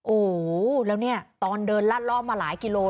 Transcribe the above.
โอ้โหแล้วนี่ตอนเดินรัดล่อมาหลายกิโลกรัม